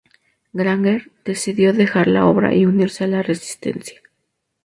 Granger decide dejar la obra y unirse a la Resistencia.